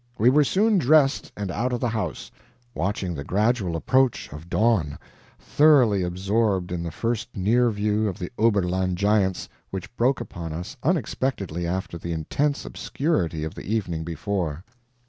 We were soon dressed and out of the house, watching the gradual approach of dawn, thoroughly absorbed in the first near view of the Oberland giants, which broke upon us unexpectedly after the intense obscurity of the evening before.